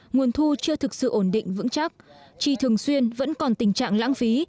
nguồn thu chưa thực sự ổn định vững chắc chi thường xuyên vẫn còn tình trạng lãng phí